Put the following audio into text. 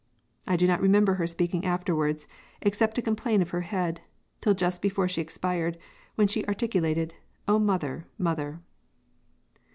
I do not remember her speaking afterwards, except to complain of her head, till just before she expired, when she articulated, 'O mother! mother!'"